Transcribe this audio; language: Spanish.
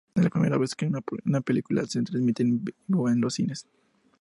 Es la primera vez que una película se transmite en vivo en los cines.